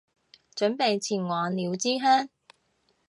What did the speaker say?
準備前往烏之鄉